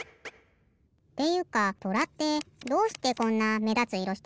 っていうかとらってどうしてこんなめだついろしてんの？